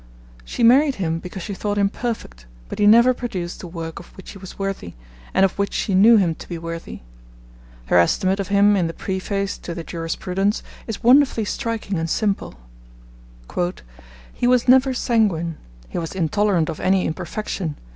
She married him because she thought him perfect, but he never produced the work of which he was worthy, and of which she knew him to be worthy. Her estimate of him in the preface to the Jurisprudence is wonderfully striking and simple. 'He was never sanguine. He was intolerant of any imperfection.